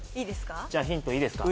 じゃあヒントいいですか？